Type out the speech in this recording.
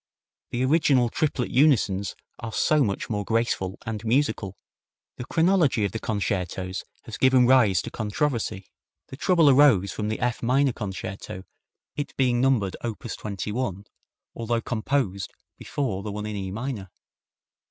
The original triplet unisons are so much more graceful and musical. The chronology of the concertos has given rise to controversy. The trouble arose from the F minor Concerto, it being numbered op. 21, although composed before the one in E minor.